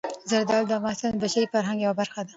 زردالو د افغانستان د بشري فرهنګ یوه برخه ده.